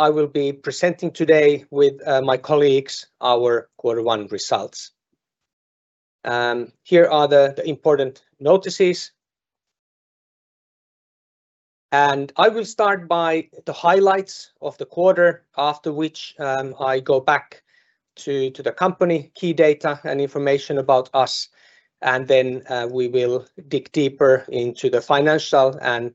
I will be presenting today with my colleagues our Q1 results. Here are the important notices. I will start by the highlights of the quarter, after which I go back to the company key data and information about us, then we will dig deeper into the financial and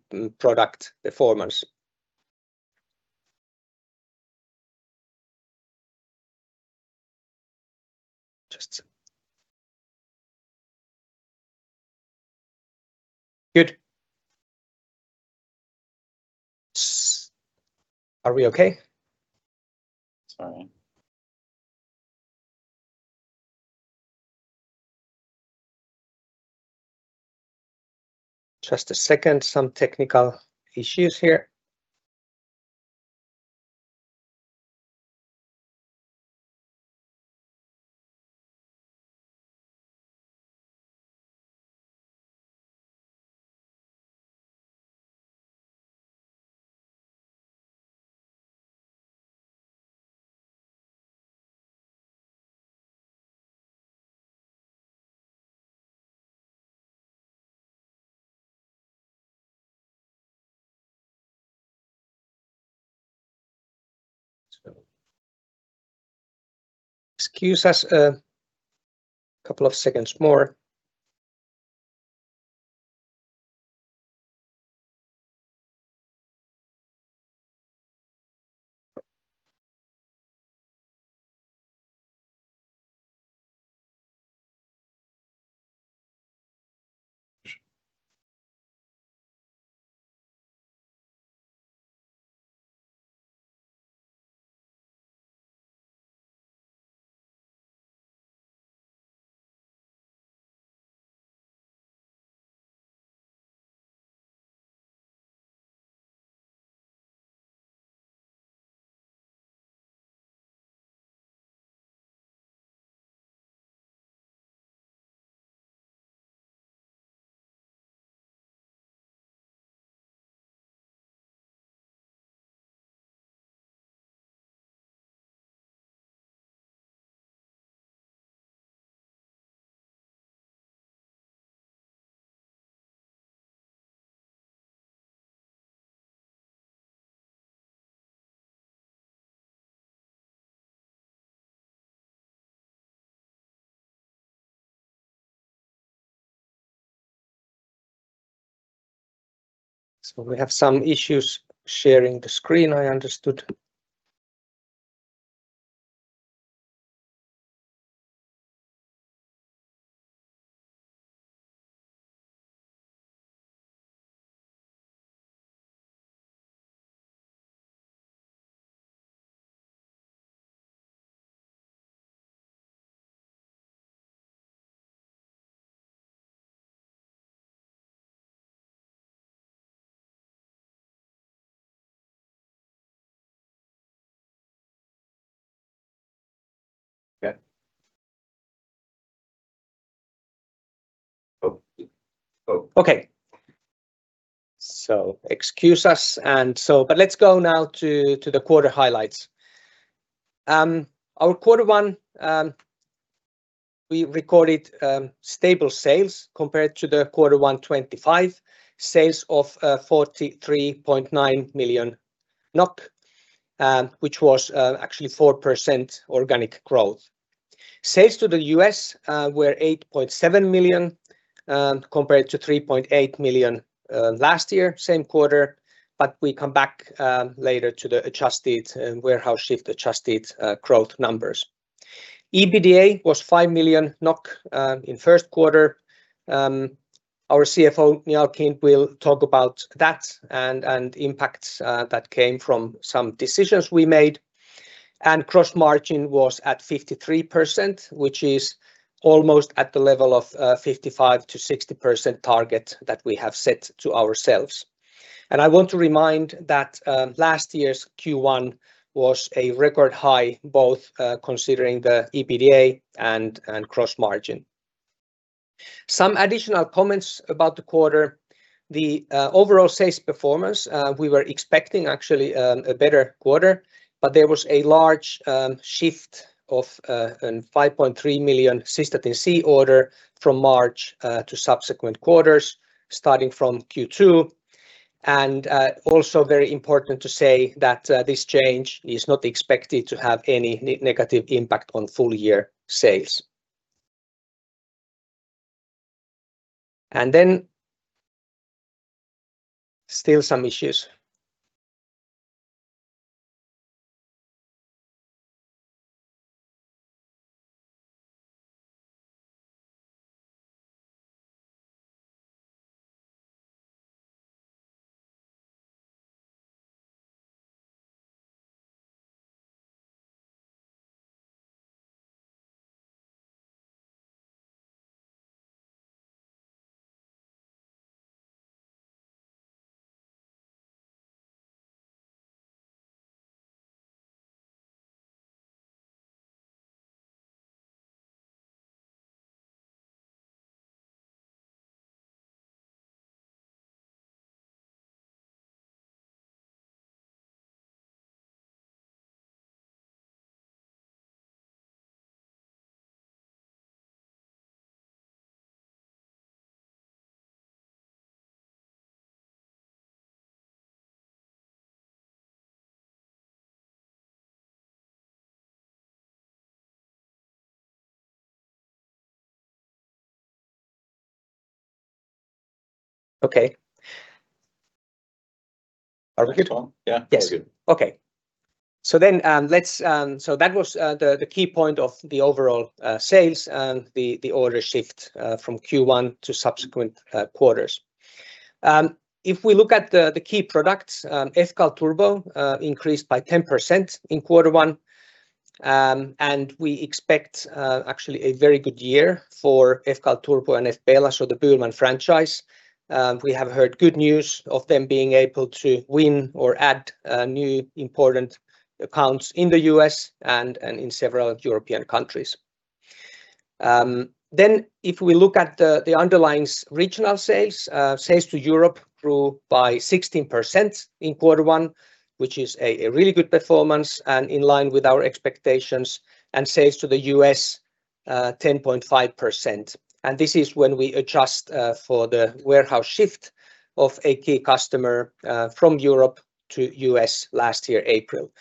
product performance. Just Good. Are we okay? Sorry. Just a second. Some technical issues here. Excuse us a couple of seconds more. We have some issues sharing the screen, I understood. Okay. Oh, oh. Let's go now to the quarter highlights. Our Q1, we recorded stable sales compared to the Q1 2025. Sales of 43.9 million NOK, which was actually 4% organic growth. Sales to the U.S. were 8.7 million compared to 3.8 million last year, same quarter. We come back later to the adjusted and warehouse shift-adjusted growth numbers. EBITDA was 5 million NOK in Q1. Our CFO, Njaal Kind, will talk about that and impacts that came from some decisions we made. Gross margin was at 53%, which is almost at the level of 55%-60% target that we have set to ourselves. I want to remind that last year's Q1 was a record high, both considering the EBITDA and gross margin. Some additional comments about the quarter. Overall sales performance, we were expecting actually a better quarter, but there was a large shift of a 5.3 million Cystatin C order from March to subsequent quarters, starting from Q2. Also very important to say that this change is not expected to have any negative impact on full year sales. Still some issues. Okay. Are we good? Yeah, that's good. That was the key point of the overall sales and the order shift from Q1 to subsequent quarters. If we look at the key products, fCAL turbo increased by 10% in Q1. We expect actually a very good year for fCAL turbo and fPELA, so the BÜHLMANN franchise. We have heard good news of them being able to win or add new important accounts in the U.S. and in several European countries. If we look at the underlying regional sales to Europe grew by 16% in Q1, which is a really good performance and in line with our expectations. Sales to the U.S., 10.5%. This is when we adjust for the warehouse shift of a key customer from Europe to U.S. last year, April.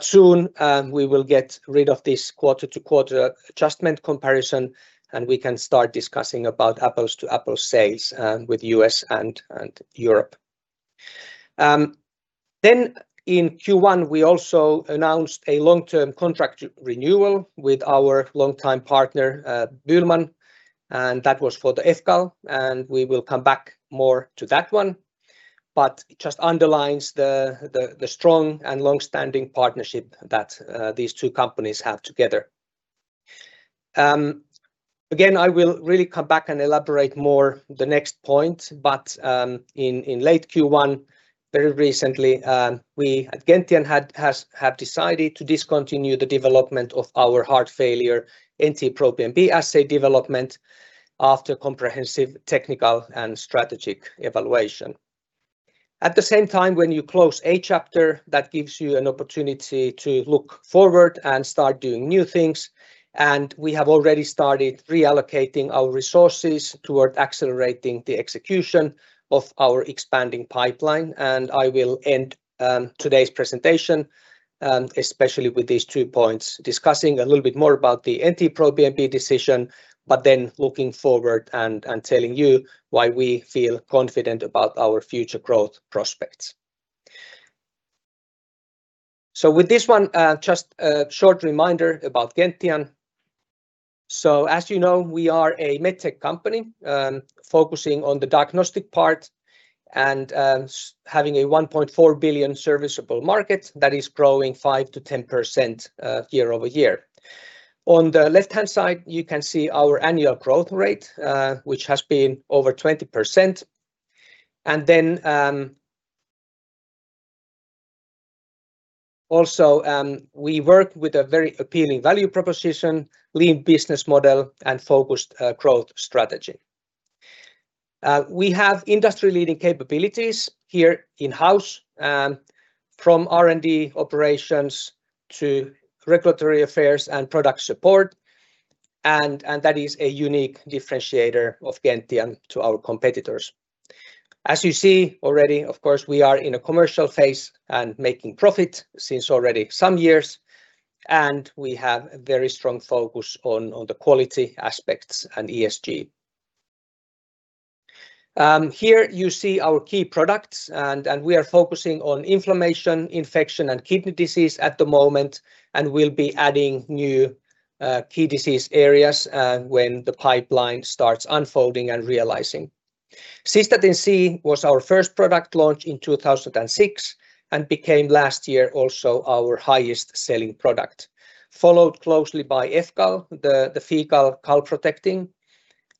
Soon, we will get rid of this quarter-to-quarter adjustment comparison, and we can start discussing about apples-to-apples sales with U.S. and Europe. In Q1, we also announced a long-term contract renewal with our longtime partner, BÜHLMANN, and that was for the fCAL, and we will come back more to that one. It just underlines the strong and long-standing partnership that these two companies have together. Again, I will really come back and elaborate more the next point, in late Q1, very recently, we at Gentian have decided to discontinue the development of our heart failure NT-proBNP assay development after comprehensive technical and strategic evaluation. At the same time, when you close a chapter, that gives you an opportunity to look forward and start doing new things. We have already started reallocating our resources toward accelerating the execution of our expanding pipeline. I will end today's presentation especially with these two points, discussing a little bit more about the NT-proBNP decision, but then looking forward and telling you why we feel confident about our future growth prospects. With this one, just a short reminder about Gentian. As you know, we are a MedTech company, focusing on the diagnostic part and having a 1.4 billion serviceable market that is growing 5%-10% year-over-year. On the left-hand side, you can see our annual growth rate, which has been over 20%. Also, we work with a very appealing value proposition, lean business model, and focused growth strategy. We have industry-leading capabilities here in-house, from R&D operations to regulatory affairs and product support. That is a unique differentiator of Gentian to our competitors. As you see already, of course, we are in a commercial phase and making profit since already some years, and we have a very strong focus on the quality aspects and ESG. Here you see our key products and we are focusing on inflammation, infection, and kidney disease at the moment, and we will be adding new key disease areas when the pipeline starts unfolding and realizing. Cystatin C was our first product launch in 2006 and became last year also our highest-selling product, followed closely by fCAL, the fecal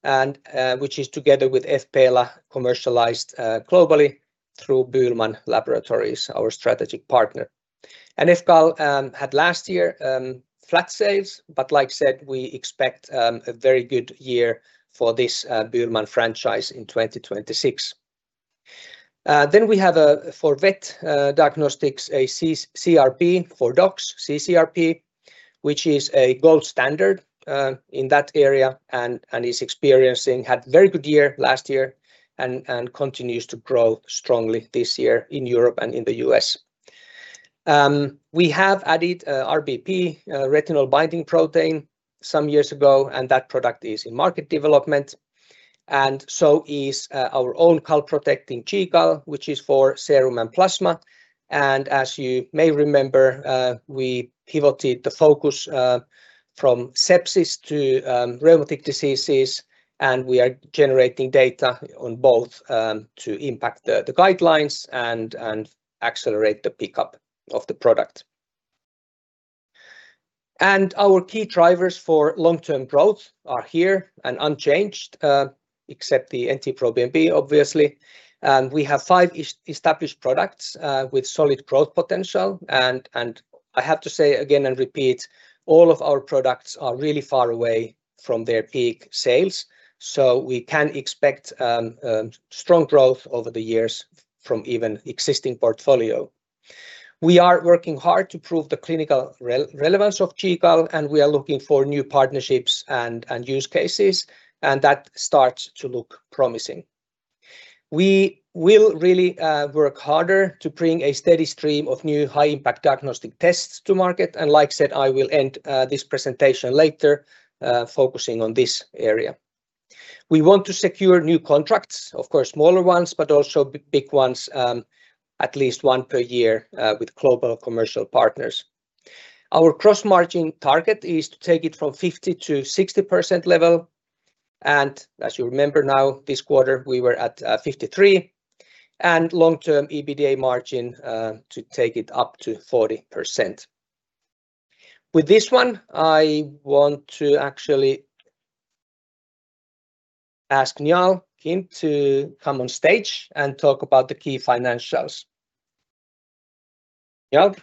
calprotectin, which is together with fPELA commercialized globally through BÜHLMANN Laboratories AG, our strategic partner. fCAL had last year flat sales. Like I said, we expect a very good year for this BÜHLMANN franchise in 2026. We have a for vet diagnostics, a cCRP for dogs, cCRP, which is a gold standard in that area and had very good year last year and continues to grow strongly this year in Europe and in the U.S. We have added RBP, Retinol-Binding Protein, some years ago, and that product is in market development, and so is our own calprotectin, GCAL, which is for serum and plasma. As you may remember, we pivoted the focus from sepsis to rheumatic diseases, and we are generating data on both to impact the guidelines and accelerate the pickup of the product. Our key drivers for long-term growth are here and unchanged, except the NT-proBNP, obviously. We have five established products with solid growth potential. I have to say again and repeat, all of our products are really far away from their peak sales, so we can expect strong growth over the years from even existing portfolio. We are working hard to prove the clinical relevance of GCAL, and we are looking for new partnerships and use cases, and that starts to look promising. We will really work harder to bring a steady stream of new high-impact diagnostic tests to market and like I said, I will end this presentation later focusing on this area. We want to secure new contracts. Of course, smaller ones, but also big ones, at least one per year with global commercial partners. Our gross margin target is to take it from 50%-60% level. As you remember now, this quarter, we were at 53. Long-term EBITDA margin to take it up to 40%. With this one, I want to actually ask Njaal Kind to come on stage and talk about the key financials. Njaal?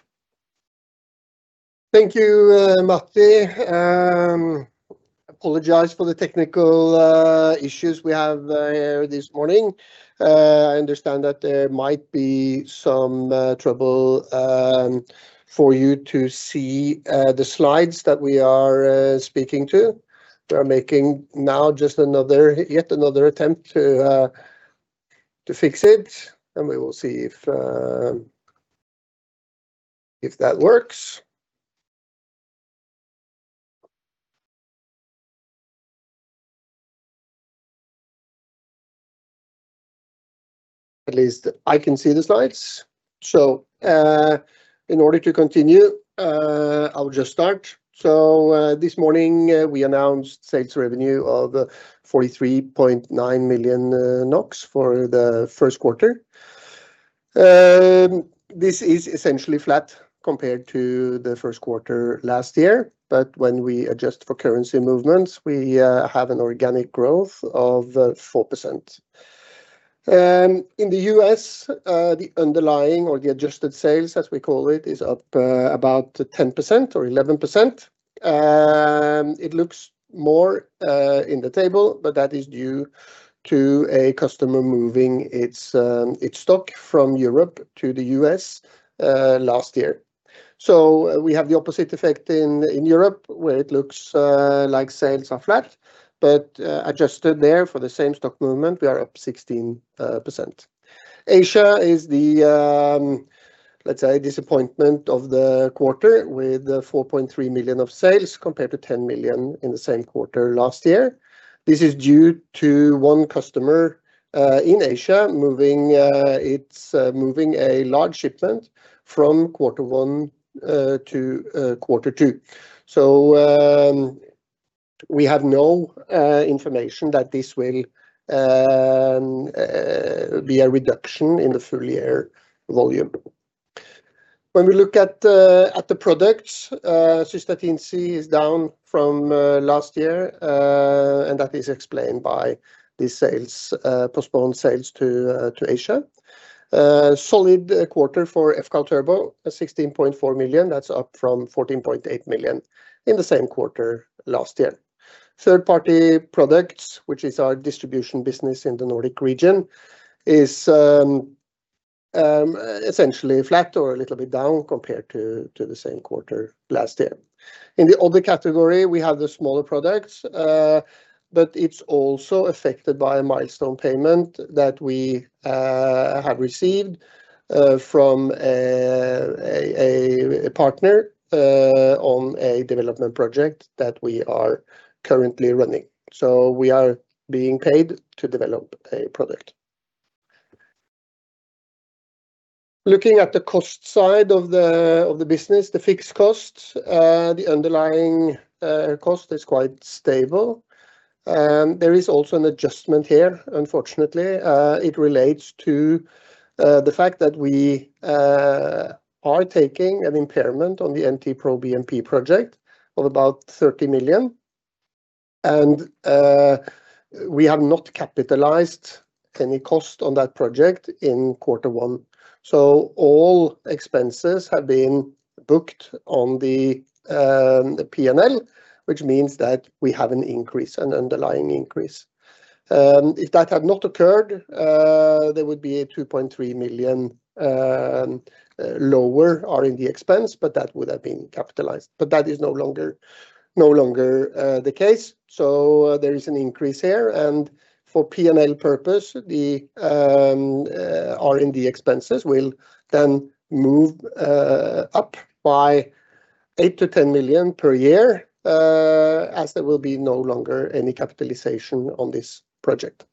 Thank you, Matti. Apologize for the technical issues we have this morning. I understand that there might be some trouble for you to see the slides that we are speaking to. We are making now just yet another attempt to fix it, and we will see if that works. At least I can see the slides. In order to continue, I will just start. This morning, we announced sales revenue of 43.9 million NOK for the Q1. This is essentially flat compared to the Q1 last year. When we adjust for currency movements, we have an organic growth of 4%. In the U.S., the underlying or the adjusted sales, as we call it, is up about 10% or 11%. It looks more in the table, that is due to a customer moving its stock from Europe to the U.S. last year. We have the opposite effect in Europe, where it looks like sales are flat, adjusted there for the same stock movement, we are up 16%. Asia is the, let's say, disappointment of the quarter with 4.3 million of sales compared to 10 million in the same quarter last year. This is due to one customer in Asia moving its large shipment from Q1 to Q2. We have no information that this will be a reduction in the full year volume. When we look at the products, Cystatin C is down from last year, that is explained by the sales, postponed sales to Asia. A solid quarter for fCAL turbo, 16.4 million. That's up from 14.8 million in the same quarter last year. Third party products, which is our distribution business in the Nordic region, is essentially flat or a little bit down compared to the same quarter last year. In the other category, we have the smaller products, it's also affected by a milestone payment that we have received from a partner on a development project that we are currently running. We are being paid to develop a product. Looking at the cost side of the business, the fixed cost, the underlying cost is quite stable. There is also an adjustment here, unfortunately. It relates to the fact that we are taking an impairment on the NT-proBNP project of about 30 million, and we have not capitalized any cost on that project in Q1. All expenses have been booked on the P&L, which means that we have an increase, an underlying increase. If that had not occurred, there would be a 2.3 million lower R&D expense, but that would have been capitalized. That is no longer the case, so there is an increase here. For P&L purpose, the R&D expenses will then move up by 8 million-10 million per year, as there will be no longer any capitalization on this project.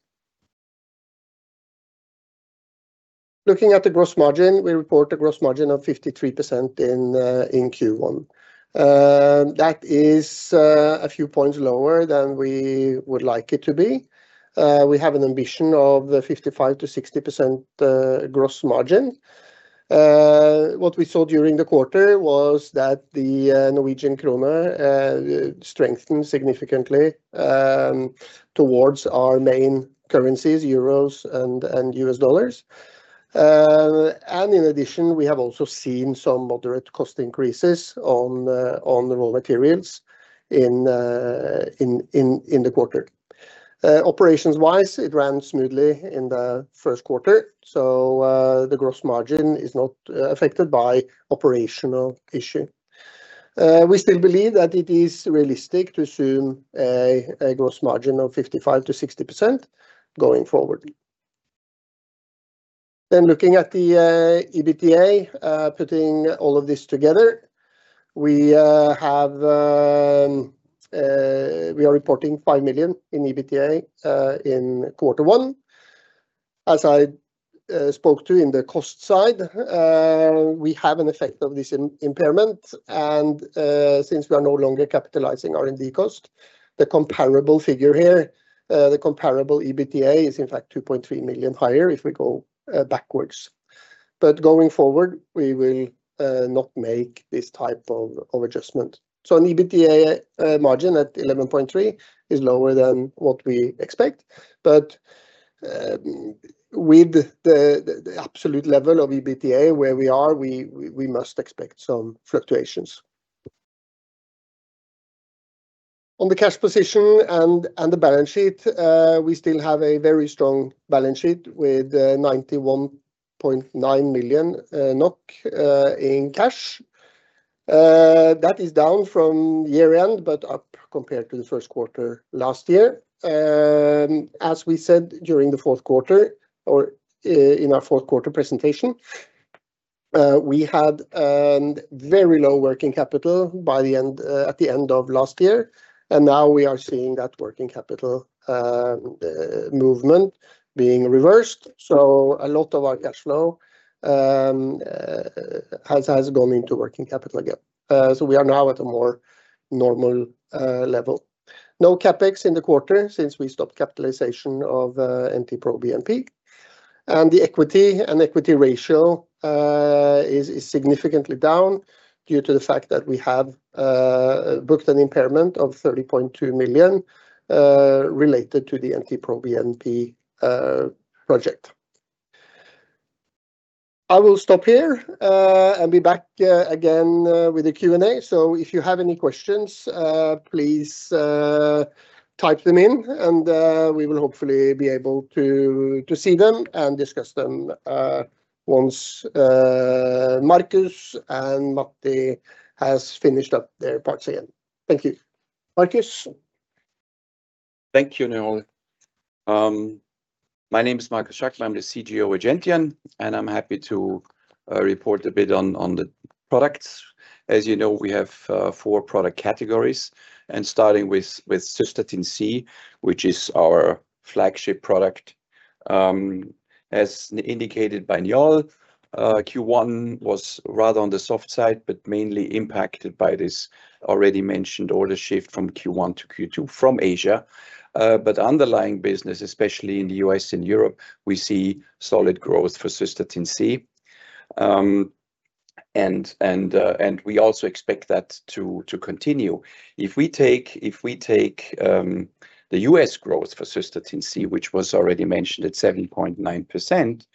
Looking at the gross margin, we report a gross margin of 53% in Q1. That is a few points lower than we would like it to be. We have an ambition of 55%-60% gross margin. What we saw during the quarter was that the Norwegian krone strengthened significantly towards our main currencies, euros and U.S. dollars. In addition, we have also seen some moderate cost increases on the raw materials in the quarter. Operations-wise, it ran smoothly in the Q1, so the gross margin is not affected by operational issue. We still believe that it is realistic to assume a gross margin of 55%-60% going forward. Looking at the EBITDA, putting all of this together, we are reporting 5 million in EBITDA in Q1. As I spoke to in the cost side, we have an effect of this impairment. Since we are no longer capitalizing R&D cost, the comparable figure here, the comparable EBITDA is in fact 2.3 million higher if we go backwards. Going forward, we will not make this type of adjustment. An EBITDA margin at 11.3% is lower than what we expect. With the absolute level of EBITDA where we are, we must expect some fluctuations. On the cash position and the balance sheet, we still have a very strong balance sheet with 91.9 million NOK in cash. That is down from year-end, but up compared to the Q1 last year. As we said, during the Q4- or in our Q1 presentation, we had very low working capital by the end at the end of last year, and now we are seeing that working capital movement being reversed. A lot of our cash flow has gone into working capital again. We are now at a more normal level. No CapEx in the quarter since we stopped capitalization of NT-proBNP. The equity and equity ratio is significantly down due to the fact that we have booked an impairment of 30.2 million related to the NT-proBNP project. I will stop here and be back again with the Q&A. If you have any questions, please type them in and we will hopefully be able to see them and discuss them once Markus and Matti has finished up their parts again. Thank you. Markus. Thank you, Njaal. My name is Markus Jaquemar. I'm the CGO of Gentian, I'm happy to report on the products. As you know, we have four product categories starting with Cystatin C, which is our flagship product. As indicated by Njaal, Q1 was rather on the soft side, mainly impacted by this already mentioned order shift from Q1 to Q2 from Asia. Underlying business, especially in the U.S. and Europe, we see solid growth for Cystatin C. We also expect that to continue. If we take the U.S. growth for Cystatin C, which was already mentioned at 7.9%.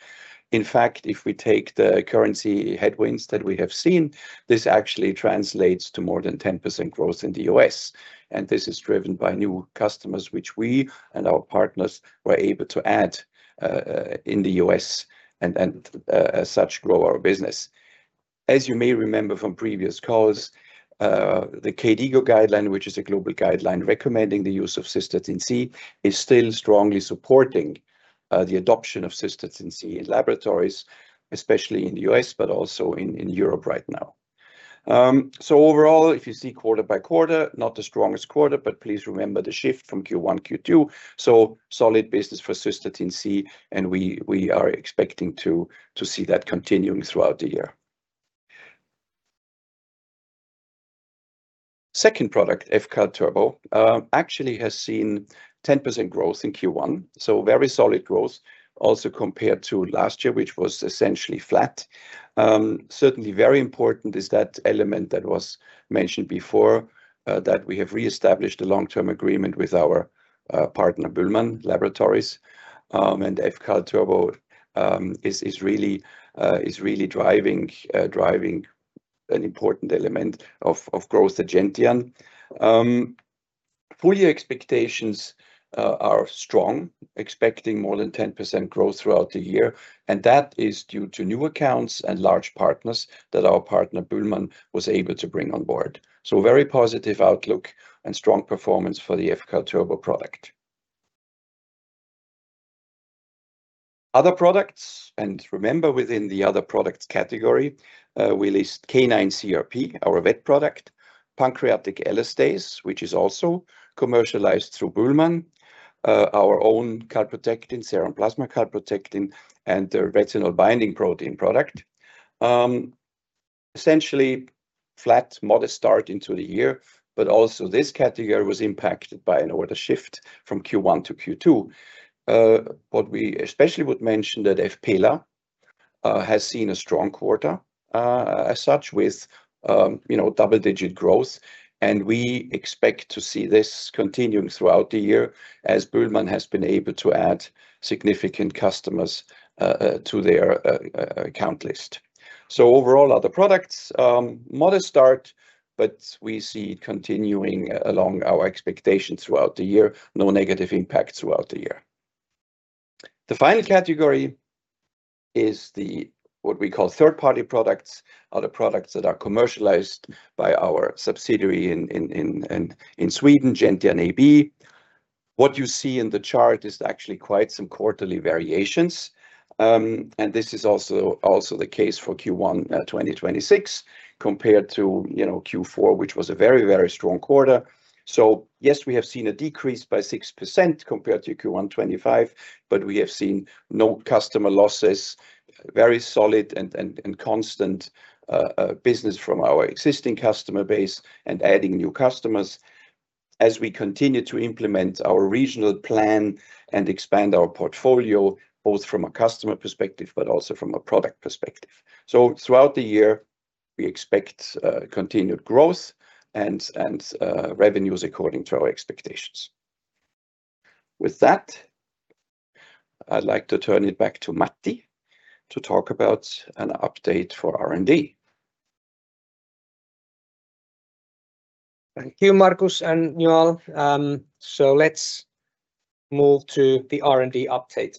In fact, if we take the currency headwinds that we have seen, this actually translates to more than 10% growth in the U.S. This is driven by new customers, which we and our partners were able to add in the U.S. As such, grow our business. As you may remember from previous calls, the KDIGO guideline, which is a global guideline recommending the use of Cystatin C, is still strongly supporting the adoption of Cystatin C in laboratories, especially in the U.S., also in Europe right now. Overall, if you see quarter-by-quarter, not the strongest quarter. Please remember the shift from Q1, Q2. Solid business for Cystatin C. We are expecting to see that continuing throughout the year. Second product, fCAL turbo, actually has seen 10% growth in Q1. Very solid growth also compared to last year, which was essentially flat. Certainly very important is that element that was mentioned before, that we have reestablished a long-term agreement with our partner, BÜHLMANN Laboratories. fCAL turbo is really driving an important element of growth at Gentian. Full year expectations are strong, expecting more than 10% growth throughout the year, and that is due to new accounts and large partners that our partner, BÜHLMANN, was able to bring on board. Very positive outlook and strong performance for the fCAL turbo product. Other products, and remember, within the other products category, we list Canine CRP, our vet product. BÜHLMANN fPELA, which is also commercialized through BÜHLMANN. Our own calprotectin, serum plasma calprotectin, and the Retinol-Binding Protein product. Essentially flat, modest start into the year, also this category was impacted by an order shift from Q1 to Q2. What we especially would mention that fPELA has seen a strong quarter as such with, you know, double-digit growth, we expect to see this continuing throughout the year as BÜHLMANN has been able to add significant customers to their account list. Overall other products, modest start, we see it continuing along our expectation throughout the year. No negative impact throughout the year. The final category is the, what we call third-party products, are the products that are commercialized by our subsidiary in Sweden, Gentian Diagnostics AB. What you see in the chart is actually quite some quarterly variations. This is also the case for Q1 2026 compared to, you know, Q4, which was a very strong quarter. Yes, we have seen a decrease by 6% compared to Q1 2025, but we have seen no customer losses, very solid and constant business from our existing customer base, adding new customers as we continue to implement our regional plan and expand our portfolio, both from a customer perspective but also from a product perspective. Throughout the year, we expect continued growth and revenues according to our expectations. With that, I'd like to turn it back to Matti to talk about an update for R&D. Thank you, Markus and Njaal. Let's move to the R&D update.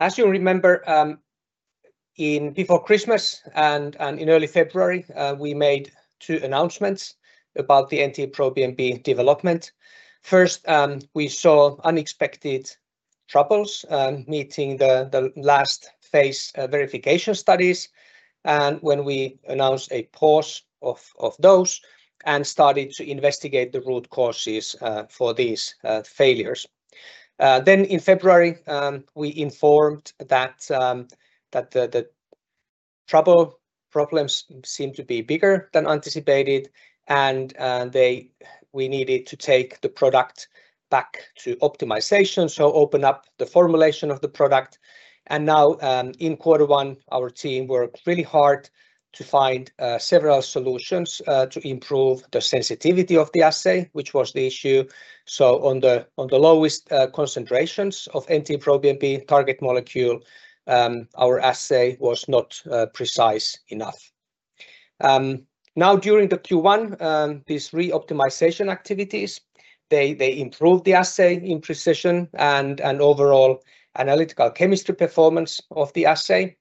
As you remember, before Christmas and in early February, we made two announcements about the NT-proBNP development. First, we saw unexpected troubles meeting the last phase verification studies, and when we announced a pause of those and started to investigate the root causes for these failures. In February, we informed that problems seemed to be bigger than anticipated and we needed to take the product back to optimization, so open up the formulation of the product. Now, in Q1, our team worked really hard to find several solutions to improve the sensitivity of the assay, which was the issue. On the lowest concentrations of NT-proBNP target molecule, our assay was not precise enough. Now during the Q1, these re-optimization activities, they improved the assay in precision and an overall analytical chemistry performance of the assay.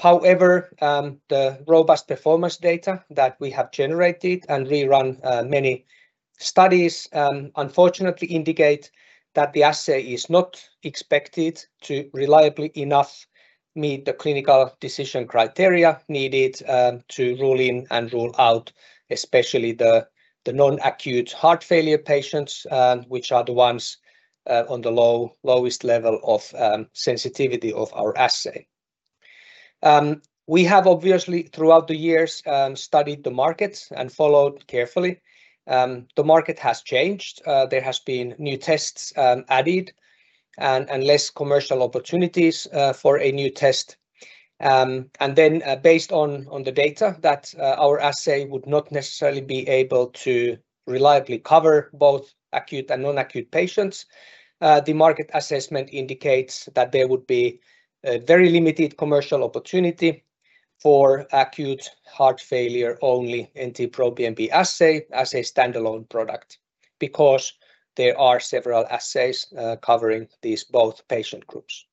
However, the robust performance data that we have generated and rerun many studies, unfortunately indicate that the assay is not expected to reliably enough meet the clinical decision criteria needed to rule in and rule out especially the non-acute heart failure patients, which are the ones on the lowest level of sensitivity of our assay. We have obviously throughout the years studied the markets and followed carefully. The market has changed. There has been new tests added and less commercial opportunities for a new test. Based on the data that our assay would not necessarily be able to reliably cover both acute and non-acute patients, the market assessment indicates that there would be a very limited commercial opportunity for acute heart failure only NT-proBNP assay as a standalone product because there are several assays covering these both patient groups.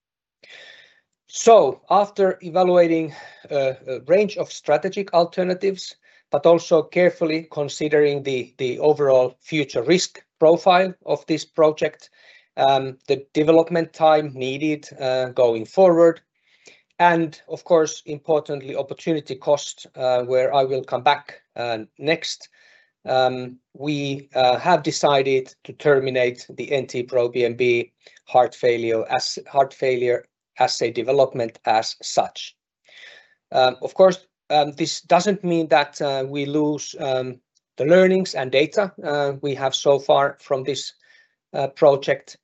After evaluating a range of strategic alternatives, but also carefully considering the overall future risk profile of this project, the development time needed going forward, and of course, importantly, opportunity cost, where I will come back next, we have decided to terminate the NT-proBNP heart failure assay development as such. Of course, this doesn't mean that we lose the learnings and data we have so far from this project.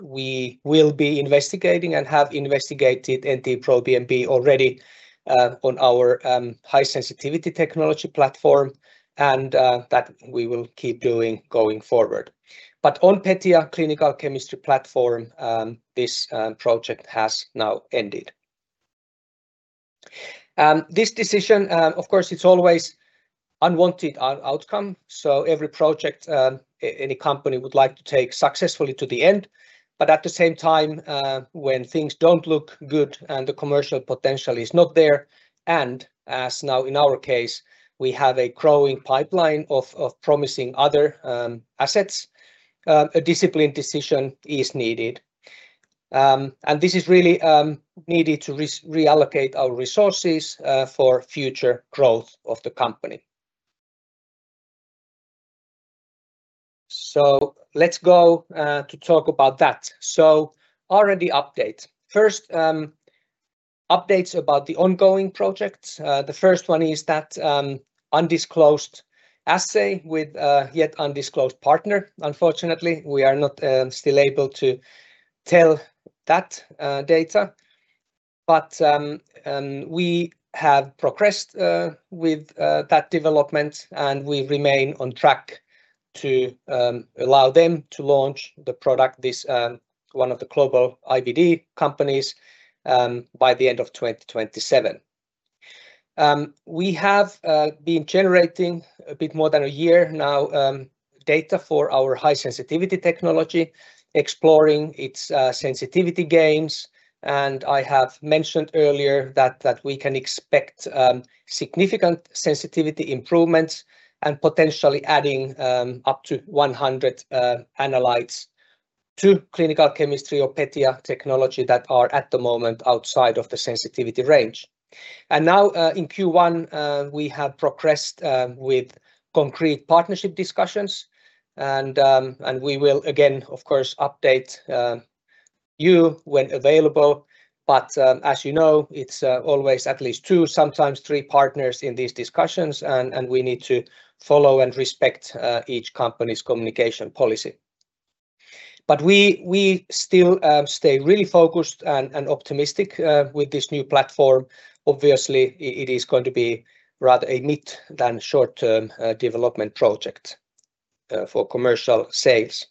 We will be investigating and have investigated NT-proBNP already on our high sensitivity technology platform, and that we will keep doing going forward. On PETIA clinical chemistry platform, this project has now ended. This decision, of course, it's always unwanted outcome. Every project any company would like to take successfully to the end, but at the same time, when things don't look good and the commercial potential is not there, and as now in our case, we have a growing pipeline of promising other assets, a disciplined decision is needed. This is really needed to reallocate our resources for future growth of the company. Let's go to talk about that. R&D update. First, updates about the ongoing projects. The first one is that undisclosed assay with yet undisclosed partner. Unfortunately, we are not still able to tell that data. We have progressed with that development, and we remain on track to allow them to launch the product, this one of the global IVD companies, by the end of 2027. We have been generating a bit more than a year now, data for our high sensitivity technology, exploring its sensitivity gains, and I have mentioned earlier that we can expect significant sensitivity improvements and potentially adding up to 100 analytes to clinical chemistry or PETIA technology that are at the moment outside of the sensitivity range. Now, in Q1, we have progressed with concrete partnership discussions, and we will again, of course, update you when available. As you know, it's always at least two, sometimes three partners in these discussions and we need to follow and respect each company's communication policy. We still stay really focused and optimistic with this new platform. Obviously, it is going to be rather a mid than short-term development project for commercial sales.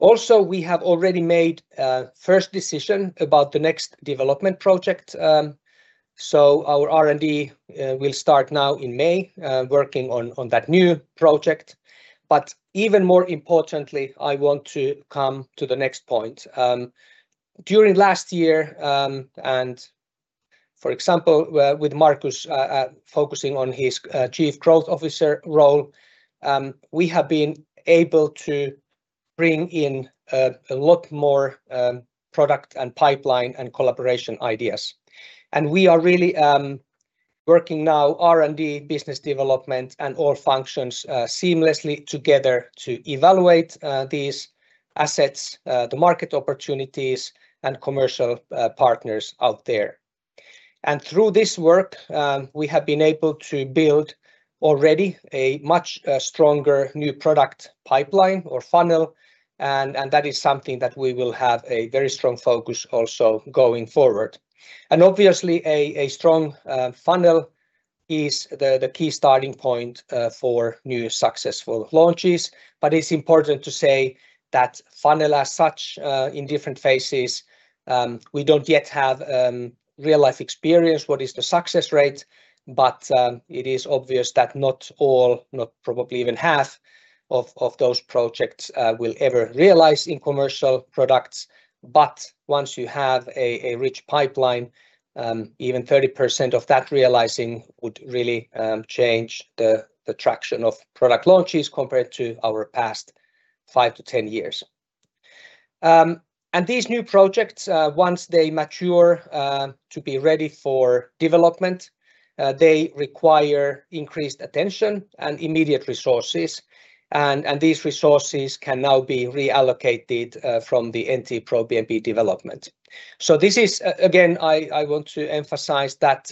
Also, we have already made a first decision about the next development project. Our R&D will start now in May working on that new project. Even more importantly, I want to come to the next point. During last year, for example, with Markus focusing on his Chief Growth Officer role, we have been able to bring in a lot more product and pipeline and collaboration ideas. We are really working now, R&D, business development, and all functions seamlessly together to evaluate these assets, the market opportunities, and commercial partners out there. Through this work, we have been able to build already a much stronger new product pipeline or funnel, and that is something that we will have a very strong focus also going forward. Obviously a strong funnel is the key starting point for new successful launches. It's important to say that funnel as such, in different phases, we don't yet have real-life experience, what is the success rate. It is obvious that not all, not probably even half of those projects will ever realize in commercial products. Once you have a rich pipeline, even 30% of that realizing would really change the traction of product launches compared to our past 5 years-10 years. These new projects, once they mature, to be ready for development, they require increased attention and immediate resources, and these resources can now be reallocated from the NT-proBNP development. This is again, I want to emphasize that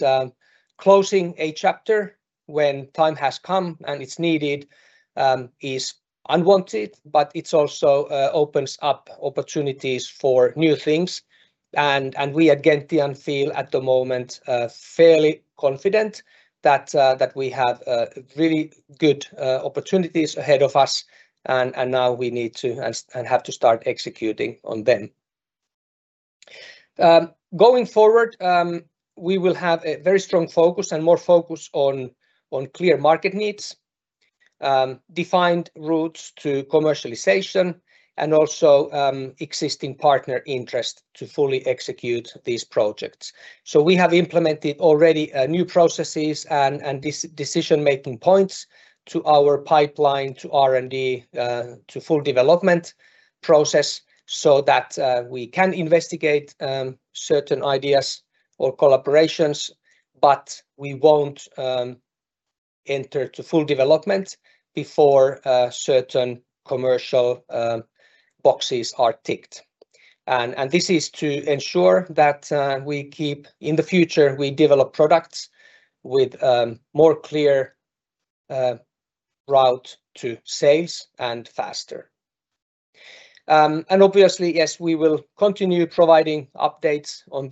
closing a chapter when time has come and it's needed, is unwanted, but it also opens up opportunities for new things. We at Gentian feel at the moment fairly confident that we have really good opportunities ahead of us, and now we need to and have to start executing on them. Going forward, we will have a very strong focus and more focus on clear market needs, defined routes to commercialization, and also existing partner interest to fully execute these projects. We have implemented already new processes and decision-making points to our pipeline, to R&D, to full development process, so that we can investigate certain ideas or collaborations, but we won't enter to full development before certain commercial boxes are ticked. This is to ensure that in the future, we develop products with more clear route to sales and faster. Obviously, yes, we will continue providing updates on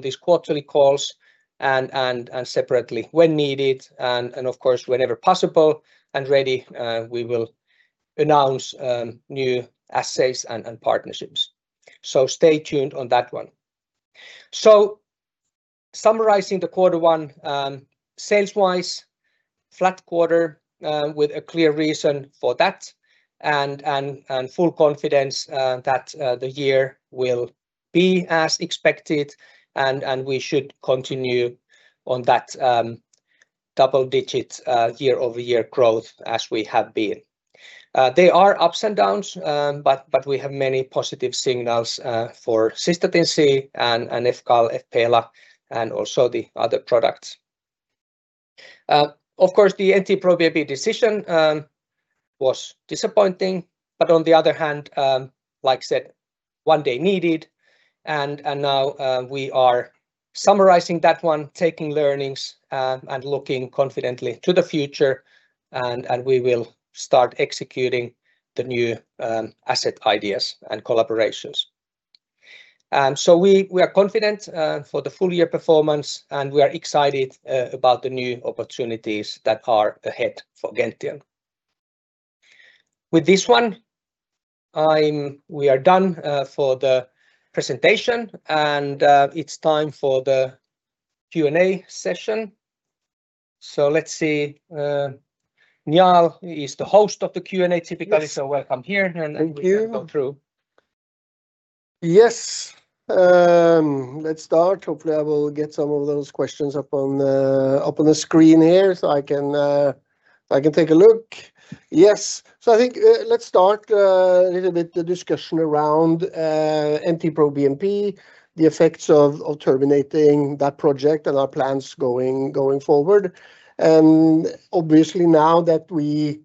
these quarterly calls and separately when needed. Of course, whenever possible and ready, we will announce new assets and partnerships. Stay tuned on that one. Summarizing the Q1, sales-wise, flat quarter, with a clear reason for that and full confidence that the year will be as expected and we should continue on that double digits year-over-year growth as we have been. There are ups and downs, but we have many positive signals for Cystatin C and fCAL, fPELA, and also the other products. Of course, the NT-proBNP decision was disappointing. On the other hand, like I said, one day needed. Now, we are summarizing that one, taking learnings. Looking confidently to the future, and we will start executing the new asset ideas and collaborations. We are confident for the full year performance, and we are excited about the new opportunities that are ahead for Gentian. With this one, we are done for the presentation. It's time for the Q&A session. Let's see, Njaal is the host of the Q&A typically. Yes Welcome here. Thank you. We can go through. Yes. Let's start. Hopefully I will get some of those questions up on the screen here so I can take a look. Yes. I think, let's start a little bit the discussion around NT-proBNP, the effects of terminating that project and our plans going forward. Obviously now that we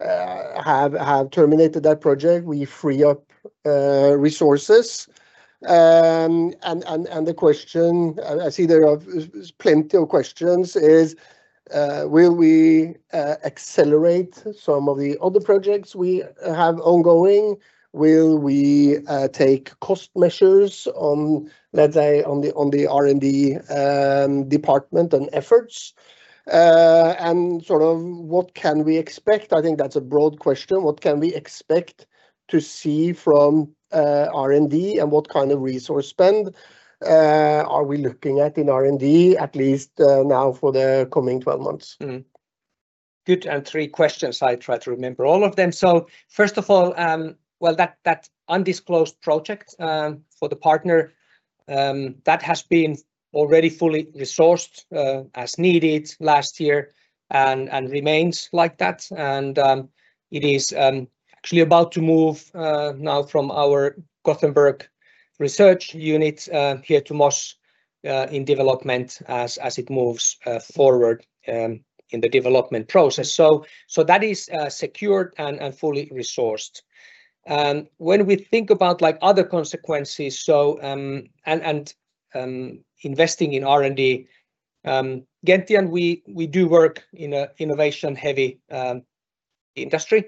have terminated that project, we free up resources. The question, I see there are plenty of questions is, will we accelerate some of the other projects we have ongoing? Will we take cost measures on, let's say, on the R&D department and efforts? Sort of what can we expect? I think that's a broad question. What can we expect to see from R&D, and what kind of resource spend are we looking at in R&D, at least, now for the coming 12 months? Good. Three questions, I try to remember all of them. First of all, well, that undisclosed project for the partner that has been already fully resourced as needed last year and remains like that. It is actually about to move now from our Gothenburg research unit here to Moss in development as it moves forward in the development process. That is secured and fully resourced. When we think about like other consequences, investing in R&D, Gentian, we do work in an innovation-heavy industry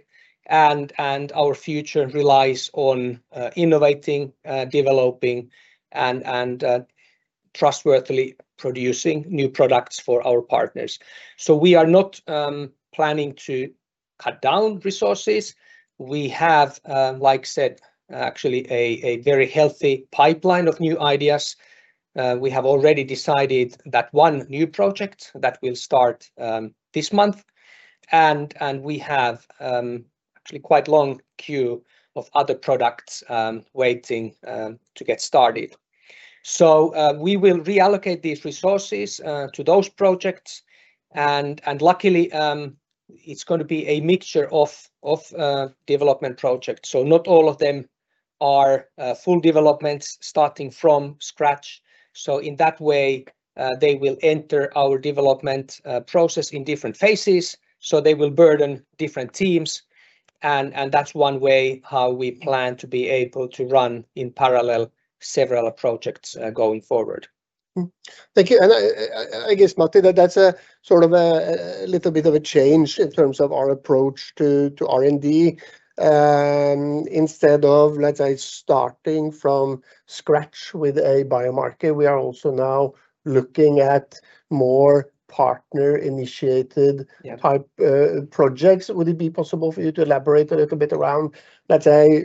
and our future relies on innovating, developing and trustworthy producing new products for our partners. We are not planning to cut down resources. We have, like said, actually a very healthy pipeline of new ideas. We have already decided that one new project that will start this month, and we have actually quite long queue of other products waiting to get started. We will reallocate these resources to those projects and luckily, it's gonna be a mixture of development projects. Not all of them are full developments starting from scratch. In that way, they will enter our development process in different phases, so they will burden different teams and that's one way how we plan to be able to run in parallel several projects going forward. Thank you. I guess, Matti, that's a little bit of a change in terms of our approach to R&D. Instead of, let's say, starting from scratch with a biomarker, we are also now looking at more partner-initiated- Yeah -type projects. Would it be possible for you to elaborate a little bit around, let's say,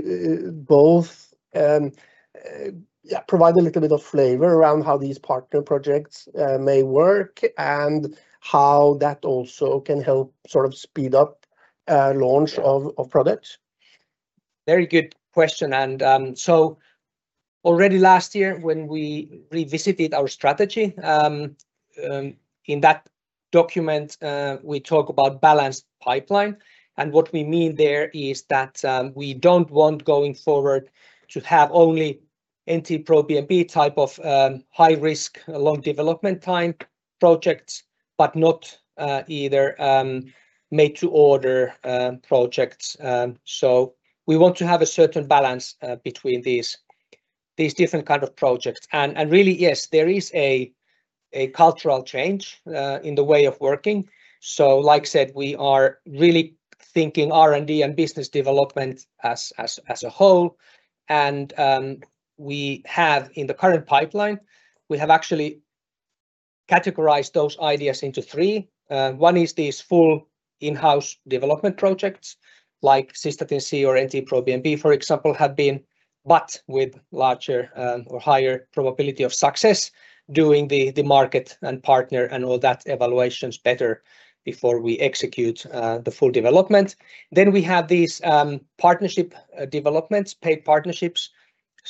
both, yeah, provide a little bit of flavor around how these partner projects may work and how that also can help sort of speed up launch- Yeah -of products? Very good question. Already last year when we revisited our strategy, in that document, we talk about balanced pipeline, what we mean there is that we don't want going forward to have only NT-proBNP type of high risk, long development time projects, but not either made to order projects. We want to have a certain balance between these different kind of projects. Really, yes, there is a cultural change in the way of working. Like I said, we are really thinking R&D and business development as a whole. We have in the current pipeline, we have actually categorized those ideas into three. One is these full in-house development projects like Cystatin C or NT-proBNP, for example, have been, but with larger, or higher probability of success doing the market and partner and all that evaluations better before we execute the full development. We have these partnership developments, paid partnerships.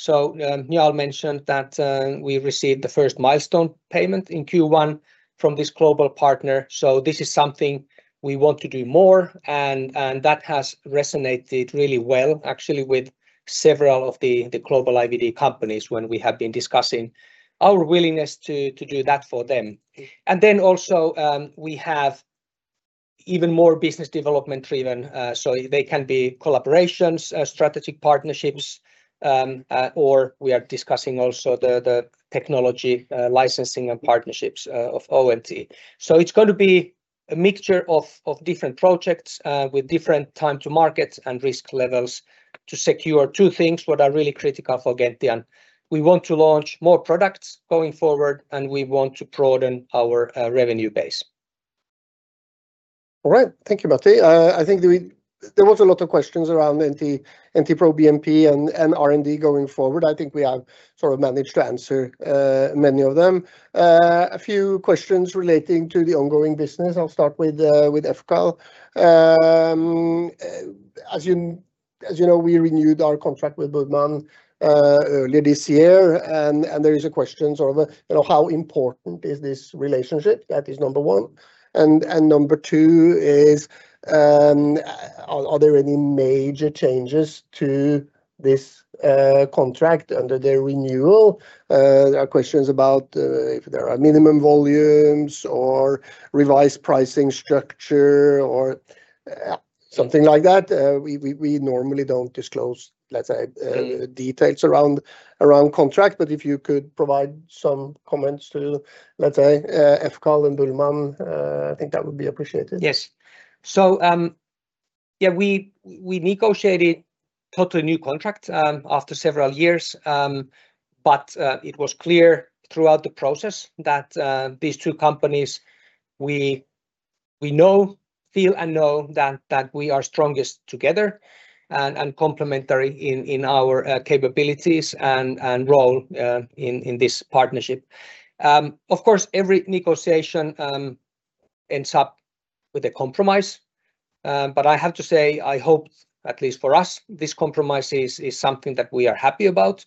Njaal mentioned that we received the first milestone payment in Q1 from this global partner. This is something we want to do more and that has resonated really well actually with several of the global IVD companies when we have been discussing our willingness to do that for them. Also, we have even more business development driven, so they can be collaborations, strategic partnerships, or we are discussing also the technology licensing and partnerships of OMT. It's going to be a mixture of different projects, with different time to market and risk levels to secure two things what are really critical for Gentian. We want to launch more products going forward, and we want to broaden our revenue base. All right. Thank you, Matti. I think there was a lot of questions around NT-proBNP and R&D going forward. I think we have sort of managed to answer many of them. A few questions relating to the ongoing business. I'll start with fCAL. As you know, we renewed our contract with BÜHLMANN earlier this year, and there is a question, sort of, you know, how important is this relationship? That is number 1. Number 2 is, are there any major changes to this contract under the renewal? There are questions about if there are minimum volumes or revised pricing structure or something like that. We normally don't disclose, let's say. Details around contract, but if you could provide some comments to, let's say, fCAL and BÜHLMANN, I think that would be appreciated. Yes. We negotiated totally new contract after several years. But it was clear throughout the process that these two companies, we know, feel and know that we are strongest together and complementary in our capabilities and role in this partnership. Of course, every negotiation ends up with a compromise. But I have to say, I hope, at least for us, this compromise is something that we are happy about,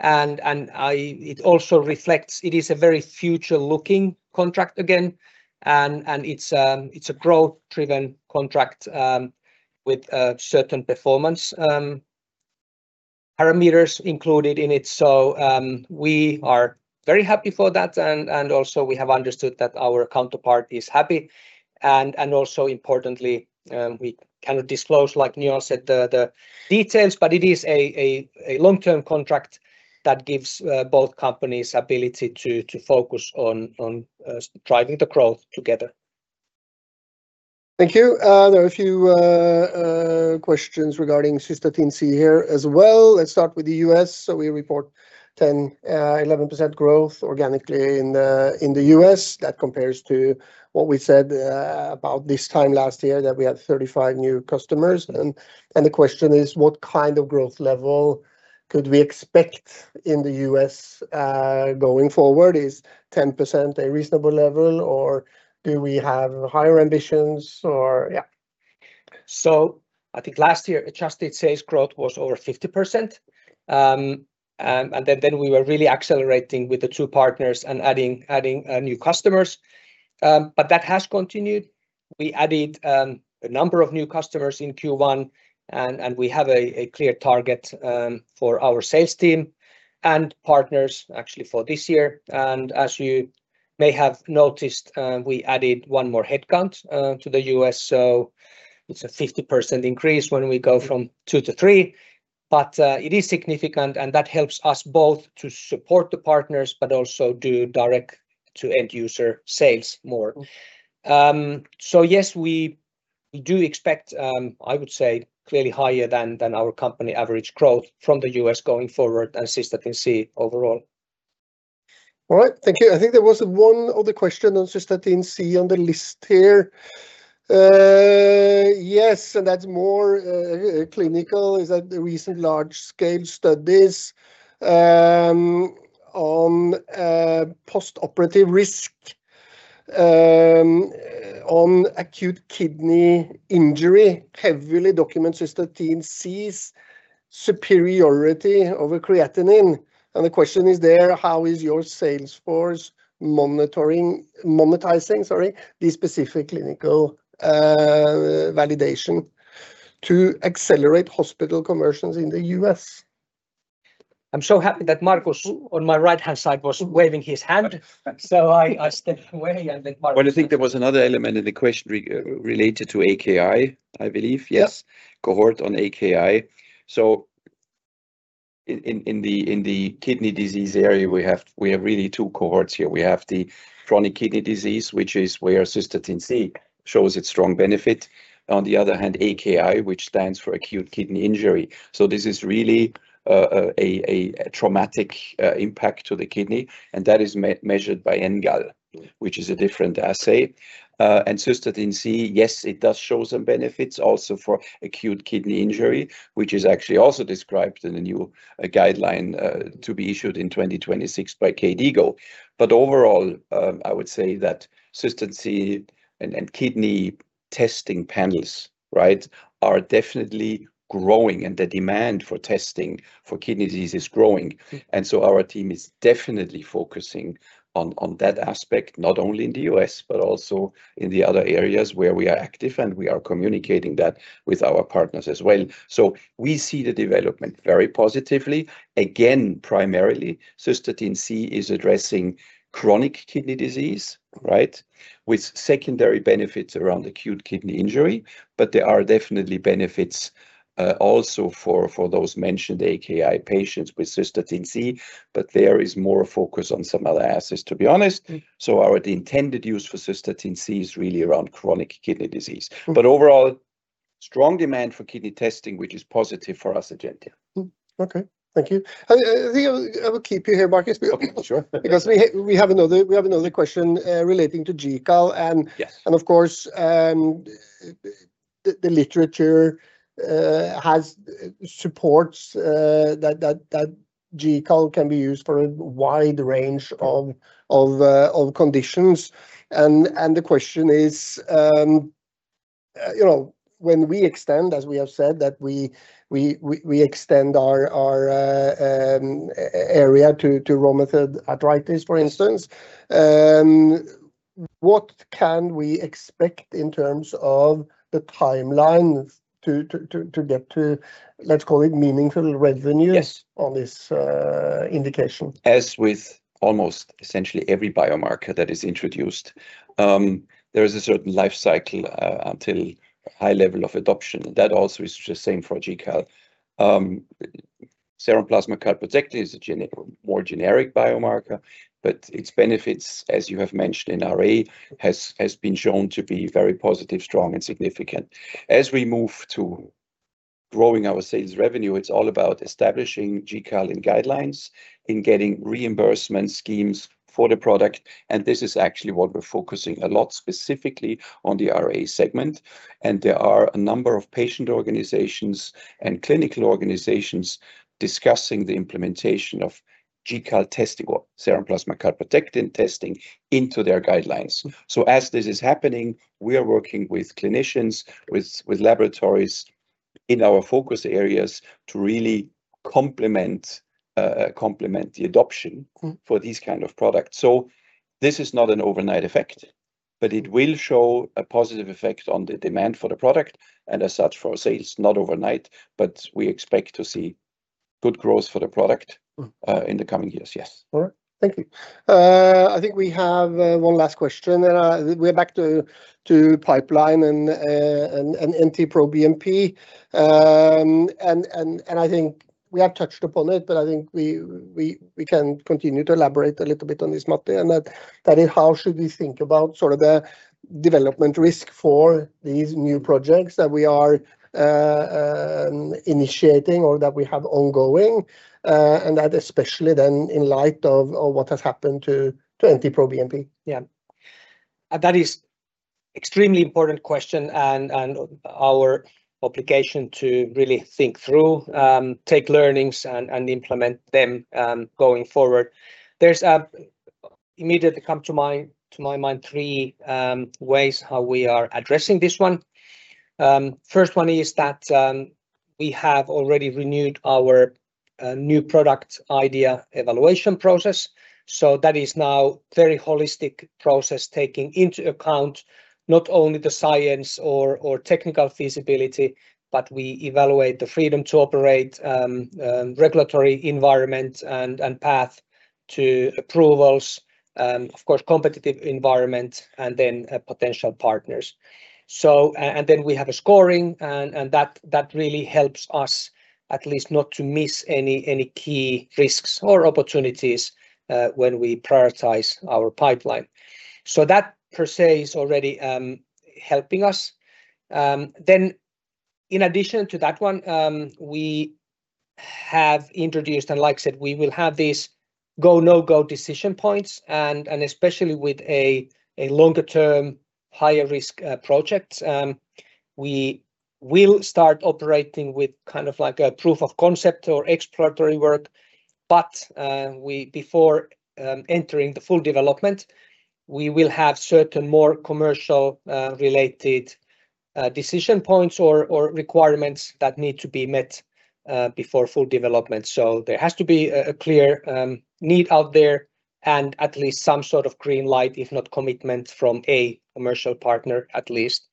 and it also reflects it is a very future-looking contract again, and it's a growth-driven contract with certain performance parameters included in it. We are very happy for that. Also we have understood that our counterpart is happy, and also importantly, we cannot disclose, like Njaal Kind said, the details, but it is a long-term contract that gives both companies ability to focus on driving the growth together. Thank you. There are a few questions regarding Cystatin C here as well. Let's start with the U.S. We report 10%, 11% growth organically in the U.S. That compares to what we said about this time last year, that we had 35 new customers, and the question is, what kind of growth level could we expect in the U.S. going forward? Is 10% a reasonable level, or do we have higher ambitions? I think last year adjusted sales growth was over 50%. We were really accelerating with the two partners and adding new customers. That has continued. We added a number of new customers in Q1, and we have a clear target for our sales team and partners actually for this year. As you may have noticed, we added one more headcount to the U.S., so it's a 50% increase when we go from 2 to 3. It is significant, and that helps us both to support the partners but also do direct-to-end user sales more. Yes, we do expect I would say clearly higher than our company average growth from the U.S. going forward and Cystatin C overall. All right. Thank you. I think there was one other question on Cystatin C on the list here. Yes, that's more clinical. Is that the recent large-scale studies on postoperative risk on acute kidney injury heavily document Cystatin C's superiority over creatinine? The question is there: how is your sales force monetizing this specific clinical validation to accelerate hospital conversions in the U.S.? I'm so happy that Markus on my right-hand side was waving his hand. I stepped away and let Markus. I think there was another element in the question related to AKI, I believe. Yes. Yeah. Cohort on AKI. In the kidney disease area, we have really two cohorts here. We have the chronic kidney disease, which is where Cystatin C shows its strong benefit. On the other hand, AKI, which stands for acute kidney injury. This is really a traumatic impact to the kidney, and that is measured by NGAL, which is a different assay. Cystatin C, yes, it does show some benefits also for acute kidney injury, which is actually also described in the new guideline to be issued in 2026 by KDIGO. Overall, I would say that Cystatin C and kidney testing panels, right, are definitely growing, and the demand for testing for kidney disease is growing. Our team is definitely focusing on that aspect, not only in the U.S. but also in the other areas where we are active, and we are communicating that with our partners as well. We see the development very positively. Again, primarily, Cystatin C is addressing chronic kidney disease, right, with secondary benefits around acute kidney injury. There are definitely benefits also for those mentioned AKI patients with Cystatin C, but there is more focus on some other assays, to be honest. Our intended use for Cystatin C is really around chronic kidney disease. Strong demand for kidney testing, which is positive for us at Gentian. Okay. Thank you. I think I will keep you here, Markus. Okay. Sure. We have another question, relating to GCAL. Yes Of course, the literature has supports that GCAL can be used for a wide range of conditions. The question is, you know, when we extend, as we have said, that we extend our area to rheumatoid arthritis, for instance, what can we expect in terms of the timeline to get to, let's call it, meaningful revenues- Yes. -on this indication? As with almost essentially every biomarker that is introduced, there is a certain life cycle until high level of adoption, and that also is the same for GCAL. Serum plasma calprotectin is a more generic biomarker, but its benefits, as you have mentioned in RA, has been shown to be very positive, strong, and significant. As we move to growing our sales revenue, it's all about establishing GCAL in guidelines, in getting reimbursement schemes for the product, and this is actually what we're focusing a lot specifically on the RA segment. There are a number of patient organizations and clinical organizations discussing the implementation of GCAL testing or serum plasma calprotectin testing into their guidelines. As this is happening, we are working with clinicians, with laboratories in our focus areas to really complement the adoption. For these kind of products. This is not an overnight effect, but it will show a positive effect on the demand for the product, and as such for our sales, not overnight, but we expect to see good growth for the product in the coming years, yes. All right. Thank you. I think we have one last question, and we're back to pipeline and NT-proBNP. I think we have touched upon it, but I think we can continue to elaborate a little bit on this, Matti. That is, how should we think about sort of the development risk for these new projects that we are initiating or that we have ongoing, and that especially then in light of what has happened to NT-proBNP? Yeah. That is an extremely important question and our obligation to really think through, take learnings and implement them going forward. There are three ways that immediately come to my mind how we are addressing this one. First one is that we have already renewed our new product idea evaluation process, so that is now a very holistic process, taking into account not only the science or technical feasibility, but we evaluate the freedom to operate, regulatory environment and path to approvals, of course, competitive environment and then potential partners. Then we have a scoring and that really helps us at least not to miss any key risks or opportunities when we prioritize our pipeline. That per se is already helping us. In addition to that one, we have introduced, and like said, we will have these go, no-go decision points and especially with a longer-term, higher-risk projects. We will start operating with kind of like a proof of concept or exploratory work, but we, before entering the full development, we will have certain more commercial related decision points or requirements that need to be met before full development. There has to be a clear need out there and at least some sort of green light, if not commitment from a commercial partner at least.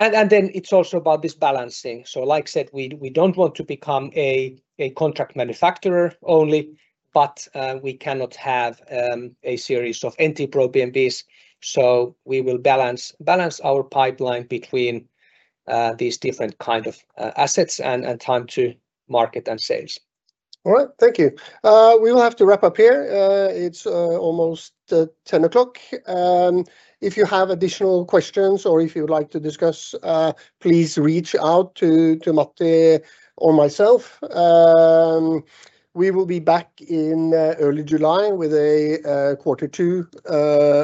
It is also about this balancing. Like I said, we don't want to become a contract manufacturer only, but we cannot have a series of NT-proBNPs, so we will balance our pipeline between these different kind of assets and time to market and sales. All right. Thank you. We will have to wrap up here. It's almost 10:00. If you have additional questions or if you would like to discuss, please reach out to Matti or myself. We will be back in early July with a Q2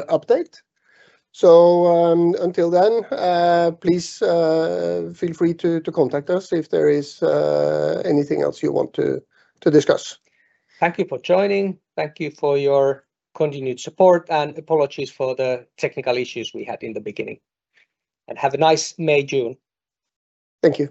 update. Until then, please feel free to contact us if there is anything else you want to discuss. Thank you for joining. Thank you for your continued support and apologies for the technical issues we had in the beginning. Have a nice May, June. Thank you.